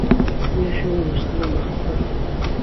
دوێ شهو نوستبوم به خهتهر